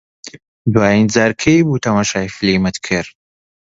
دوایین جار کەی بوو تەماشای فیلمت کرد؟